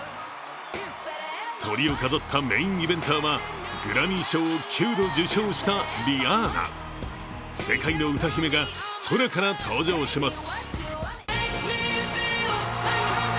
トリを飾ったメインイベンターはグラミー賞を９度受賞したリアーナ世界の歌姫が空から登場します。